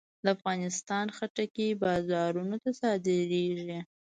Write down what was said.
د افغانستان خټکی بازارونو ته صادرېږي.